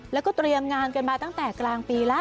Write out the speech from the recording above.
แล้วก็เตรียมงานกันมาตั้งแต่กลางปีแล้ว